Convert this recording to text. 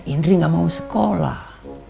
indri gak mau sekolah